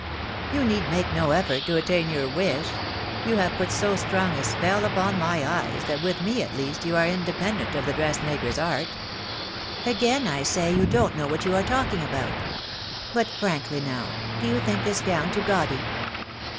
"You need make no effort to attain your wish. You have put so strong a spell upon my eyes that with me at least you are independent of the dressmaker's art." "Again I say you don't know what you are talking about. But frankly now, do you think this gown too gaudy?"